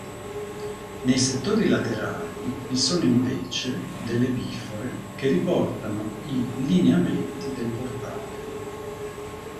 Nei settori laterali vi sono invece delle bifore che riportano i lineamenti del portale.